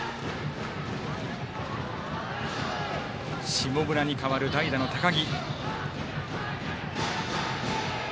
下村に代わる代打の高木。